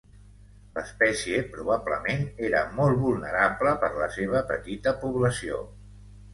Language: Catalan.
L'espècie probablement era molt vulnerable per la seva petita població.